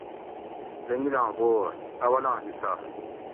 زنگیلاں بور (اولاں حصہ)